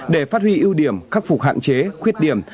để phát huy ưu điểm khắc phục hạn chế khuyết điểm